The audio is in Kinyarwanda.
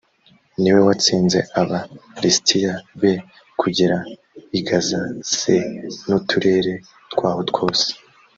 ni we watsinze aba lisitiya b kugera i gaza c n uturere twaho twose